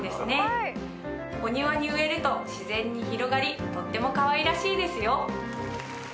お庭に植えると自然に広がりとってもかわいらしいですよ。